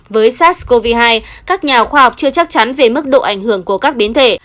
với sars cov hai các nhà khoa học chưa chắc chắn về mức độ ảnh hưởng của các biến thể